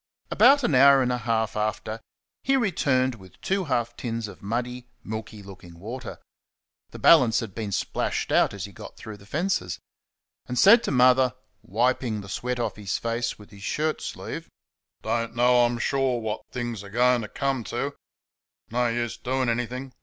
About an hour and a half after he returned with two half tins of muddy, milky looking water the balance had been splashed out as he got through the fences and said to Mother (wiping the sweat off his face with his shirt sleeve) "Don't know, I'm SURE, what things are going t' come t';...no use doing anything...